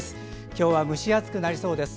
今日は蒸し暑くなりそうです。